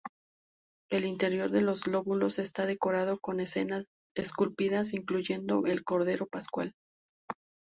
El interior de los lóbulos está decorado con escenas esculpidas, incluyendo el cordero pascual.